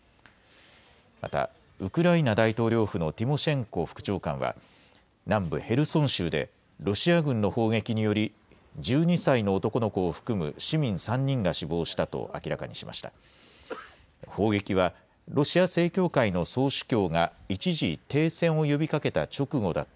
また、ウクライナ大統領府のティモシェンコ副長官は、南部ヘルソン州で、ロシア軍の砲撃により、１２歳の男の子を含む市民３人が死亡したと明らかにしました。